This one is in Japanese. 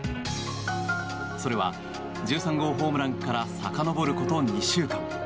それは１３号ホームランからさかのぼること２週間。